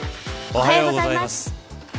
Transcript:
おはようございます。